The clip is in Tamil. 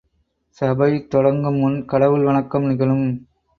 சபை தொடங்கு முன் கடவுள் வணக்கம் நிகழும்.